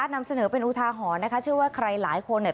นำเสนอเป็นอุทาหรณ์นะคะเชื่อว่าใครหลายคนเนี่ย